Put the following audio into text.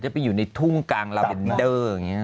จะไปอยู่ในทุ่งกลางเราโย่งแย่เดอร์อย่างนี้